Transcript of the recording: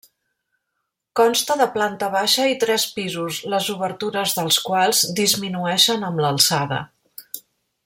Consta de planta baixa i tres pisos, les obertures dels quals disminueixen amb l'alçada.